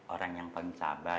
orang yang pencabar